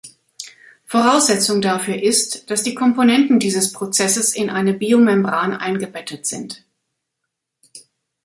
Voraussetzung dafür ist, dass die Komponenten dieses Prozesses in eine Biomembran eingebettet sind.